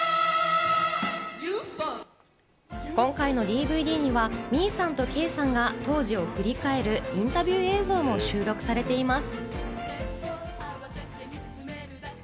今回のＤＶＤには、ミーさんとケイさんが当時を振り返るインタビュー映像も収録されています。